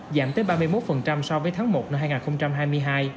giảm tới ba mươi một so với tháng một năm hai nghìn hai mươi hai